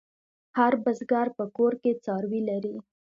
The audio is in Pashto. هر بزگر په کور کې څاروي لري.